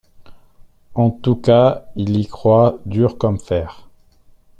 En tout cas ils y croient dur comme fer.